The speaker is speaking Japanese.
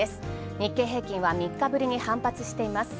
日経平均は３日ぶりに反発しています。